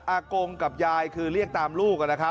อากงกับยายคือเรียกตามลูก